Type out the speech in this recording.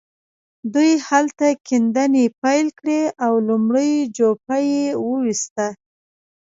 دوی هلته کيندنې پيل کړې او لومړۍ جوپه يې وويسته.